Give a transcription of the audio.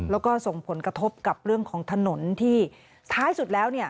แล้วก็ส่งผลกระทบกับเรื่องของถนนที่ท้ายสุดแล้วเนี่ย